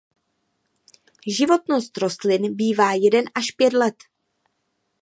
Životnost rostlin bývá jeden až pět let.